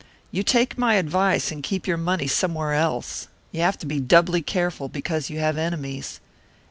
You take my advice, and keep your money somewhere else. You have to be doubly careful because you have enemies."